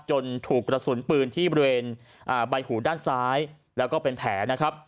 ถูกกระสุนปืนที่บริเวณใบหูด้านซ้ายแล้วก็เป็นแผลนะครับ